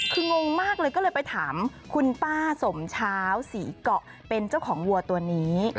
คืองงมากเลยก็เลยไปถามคุณป้าสมเช้าศรีเกาะเป็นเจ้าของวัวตัวนี้